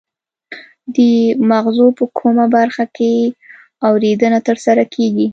د مغزو په کومه برخه کې اوریدنه ترسره کیږي